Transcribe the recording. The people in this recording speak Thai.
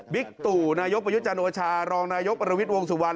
บิ๊กตุนายกประยุจรรย์โอชารองนายกประณวิศวงศ์สุวรรณ